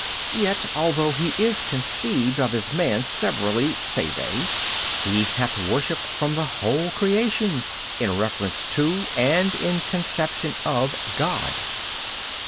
B. Yet although he is conceived of as man severally (say |259 they), he hath worship from the whole creation, in reference to and in conception of God.